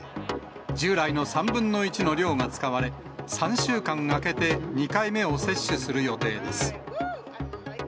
従来の３分の１の量が使われ、３週間空けて２回目を接種する予定です。